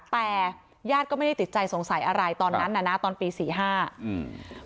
แต่ญาติก็ไม่ได้ติดใจสงสัยอะไรตอนนั้นน่ะนะตอนปีสี่ห้าอืม